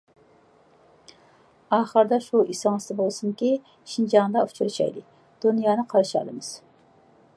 ئاخىرىدا، شۇ ئېسىڭىزدە بولسۇنكى، شىنجاڭدا ئۇچرىشايلى، دۇنيانى قارشى ئالىمىز.